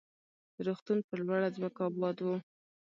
روغتون پر لوړه ځمکه اباد و.